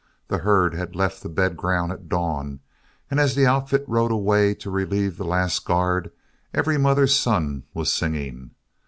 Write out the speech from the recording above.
The herd had left the bed ground at dawn, and as the outfit rode away to relieve the last guard, every mother's son was singing.